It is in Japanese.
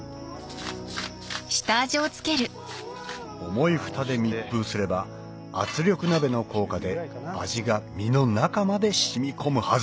重いフタで密封すれば圧力鍋の効果で味が身の中まで染み込むはず